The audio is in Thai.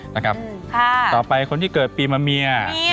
ต่อไปคนที่เกิดปีมะเมีย